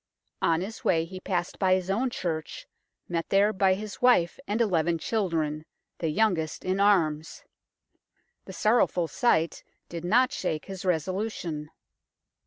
On his way he passed by his own church, met there by his wife and eleven children, the youngest in arms. The sorrowful sight did not shake his resolution.